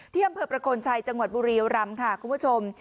เที่ยมเผลอประกลชัยจังหวัดบุรียุรัมณ์ค่ะคุณผู้ชม